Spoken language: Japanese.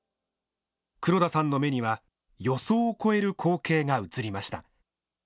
黒田さんの目には予想を超える光景が映りました。